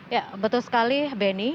ya betul sekali beni